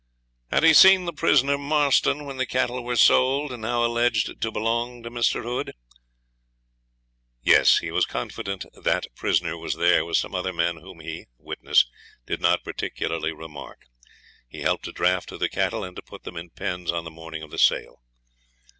'Had he seen the prisoner Marston when the cattle were sold now alleged to belong to Mr. Hood?' 'Yes; he was confident that prisoner was there with some other men whom he (witness) did not particularly remark. He helped to draft the cattle, and to put them in pens on the morning of the sale.'